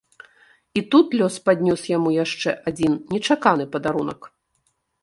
І тут лёс паднёс яму яшчэ адзін нечаканы падарунак.